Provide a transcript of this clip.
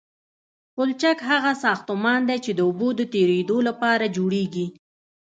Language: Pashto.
پلچک هغه ساختمان دی چې د اوبو د تیرېدو لپاره جوړیږي